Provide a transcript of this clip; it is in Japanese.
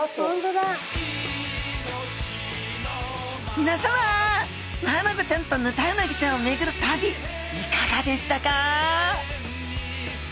みなさまマアナゴちゃんとヌタウナギちゃんをめぐる旅いかがでしたか？